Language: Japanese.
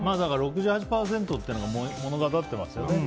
６８％というのが物語っていますよね。